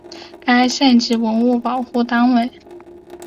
为县级文物保护单位。